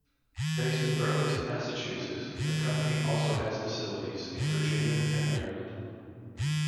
Based in Burlington, Massachusetts, the company also has facilities in Virginia and Maryland.